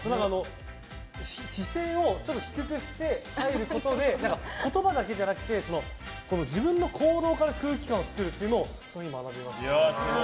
姿勢をちょっと低くして入ることで言葉だけじゃなくて自分の行動から空気感を作るというのを学びました。